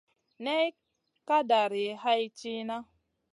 Ney ka dari hay tìhna.